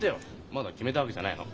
まだ決めたわけじゃないの。